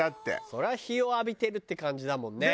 そりゃ日を浴びてるって感じだもんね。